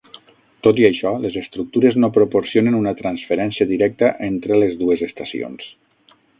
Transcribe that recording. Tot i això, les estructures no proporcionen una transferència directa entre les dues estacions.